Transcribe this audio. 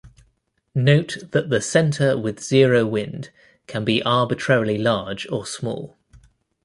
Note that the center with zero wind can be arbitrarily large or small.